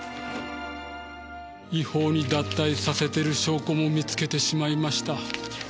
違法に脱退させている証拠も見つけてしまいました。